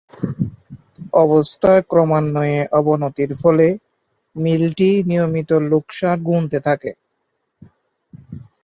অবস্থা ক্রমান্বয়ে অবণতির ফলে মিলটি নিয়মিত লোকসান গুণতে থাকে।